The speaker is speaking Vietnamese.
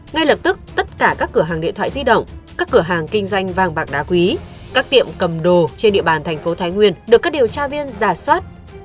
ngay lập tức tất cả các cửa hàng điện thoại di động các cửa hàng kinh doanh vàng bạc đá quý các tiệm cầm đồ trên địa bàn thành phố thái nguyên được các điều tra viên giả soát